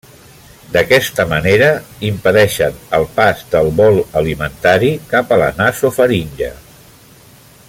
D'aquesta manera, impedeixen el pas del bol alimentari cap a la nasofaringe.